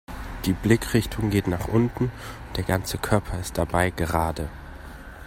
Die Blickrichtung geht nach unten und der ganze Körper ist dabei gerade.